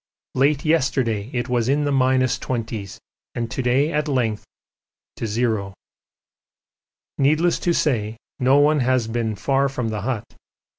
Late yesterday it was in the minus twenties, and to day at length it has risen to zero. Needless to say no one has been far from the hut.